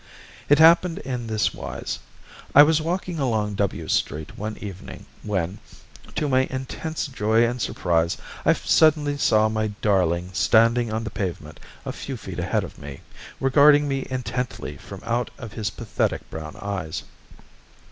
It happened in this wise: I was walking along W Street one evening when, to my intense joy and surprise, I suddenly saw my darling standing on the pavement a few feet ahead of me, regarding me intently from out of his pathetic brown eyes.